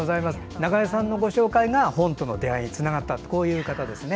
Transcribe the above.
中江さんとの本の紹介が本との出会いにつながったという方ですね。